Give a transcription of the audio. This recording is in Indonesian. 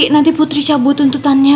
nanti putri cabut tuntutannya